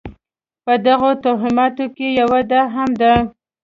په دغو توهماتو کې یوه دا هم ده.